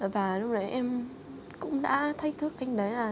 và lúc đấy em cũng đã thách thức cách đấy là